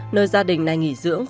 nơi gia đình này nghỉ dưỡng